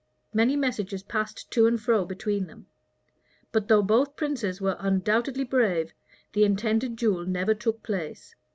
Many messages passed to and fro between them; but though both princes were undoubtedly brave, the intended duel never took place.